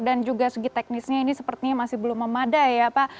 dan juga segi teknisnya ini sepertinya masih belum memadat